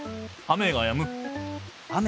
雨がやむ。